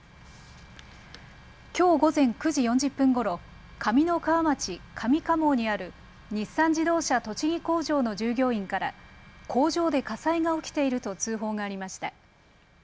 きょう午前９時４０分ごろ上三川町上蒲生にある日産自動車栃木工場の従業員から工場で火災が起きていると通報がありました。